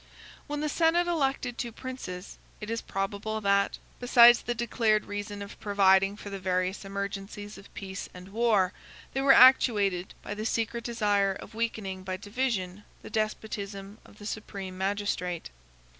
] When the senate elected two princes, it is probable that, besides the declared reason of providing for the various emergencies of peace and war, they were actuated by the secret desire of weakening by division the despotism of the supreme magistrate.